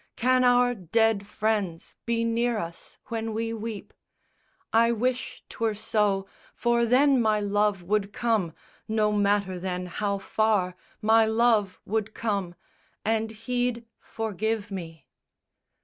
Can our dead friends be near us when we weep? I wish 'twere so! for then my love would come, No matter then how far, my love would come, And he'd forgive me."